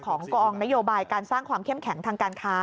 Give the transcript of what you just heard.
ของกองนโยบายการสร้างความเข้มแข็งทางการค้า